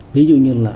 ví dụ như là